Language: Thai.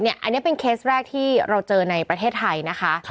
อันนี้เป็นเคสแรกที่เราเจอในประเทศไทยนะคะ